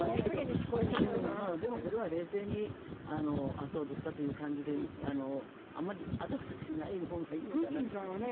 でも、これは冷静にあ、そうですかという感じであまりあたふたしないほうがいいのかなという気がしますね。